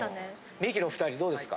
ミキの２人どうですか。